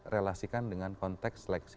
relasikan dengan konteks seleksi